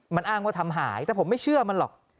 มันอ้างว่าทำหายแต่ผมไม่เชื่อมันหรอก